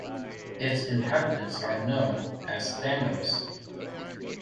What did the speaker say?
Its inhabitants are known as "Thannois".